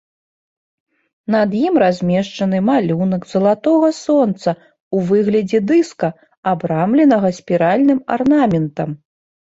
Над ім размешчаны малюнак залатога сонца ў выглядзе дыска, абрамленага спіральным арнаментам.